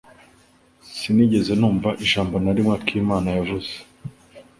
Sinigeze numva ijambo na rimwe akimana yavuze.